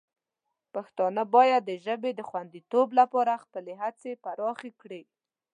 پښتانه باید د ژبې د خوندیتوب لپاره خپلې هڅې پراخې کړي.